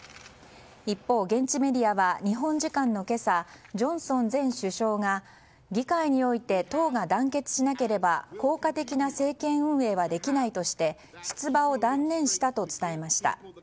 一方、現地メディアは日本時間の今朝ジョンソン前首相が議会において党が団結しなければ効果的な政権運営はできないとして出馬を断念したと伝えました。